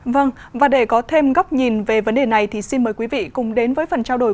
vâng và để có thêm góc nhìn về vấn đề này thì xin mời quý vị cùng đến với phần trao đổi